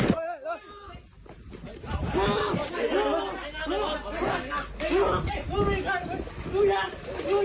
เฮ้ยเฮ้ย